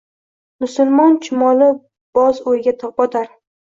Musulmon chumoli boz o’yga botar